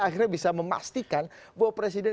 akhirnya bisa memastikan bahwa presiden